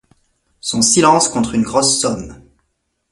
Son silence contre une grosse somme.